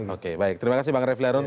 oke baik terima kasih bang refli harun